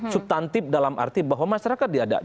subtantif dalam arti bahwa masyarakat diajak